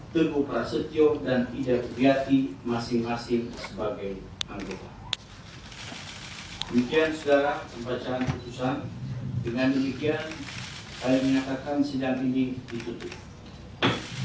dengan demikian saya menyatakan sedang pindih ditutup